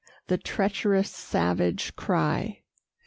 the treacherous savage cry.